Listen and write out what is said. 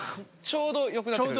ちょうどよくなって。